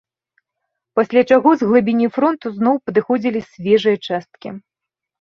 Пасля чаго з глыбіні фронту зноў падыходзілі свежыя часткі.